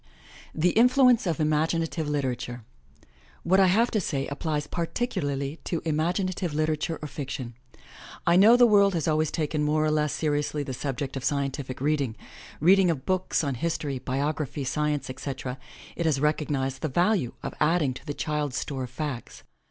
THE INFLUENCE OF IMAGINATIVE LITERATURE What I have to say applies particularly to imaginative liter ature or fiction. I know the world has always taken more or less seriously the subject of scientific reading — reading of books on history, biography, science, etc. It has recognized the value of addmg to the child's store of facts.